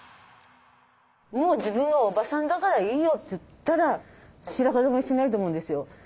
「もう自分はおばさんだからいいよ」って言ったら白髪染めしないと思うんですよ。